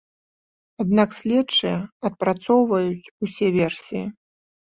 Аднак следчыя адпрацоўваюць усе версіі.